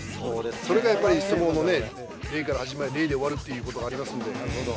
それがやっぱり相撲のね、礼から始まり礼で終わるということがありますんで。